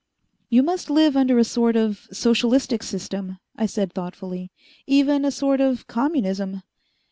"You must live under a sort of socialistic system," I said thoughtfully. "Even a sort of communism?"